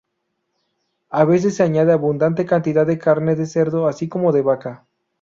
A veces se añade abundante cantidad de carne de cerdo así como de vaca.